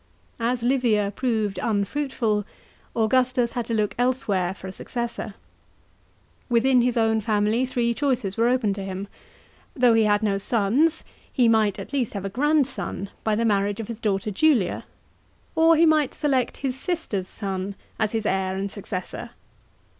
§ 4. As Livia proved unfruitful, Augustus had to look else where for a successor. Within his own family three choices were open to him. Though he had no sons, he might at least have a grandson by the marriage of his daughter Julia. Or he might select his sister's son * as his heir and successor.